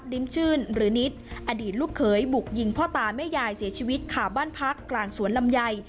อดีตลูกเคยบุกยิงพ่อตาแม่ยายเสียชีวิตขาบบ้านพักกลางสวนลำไย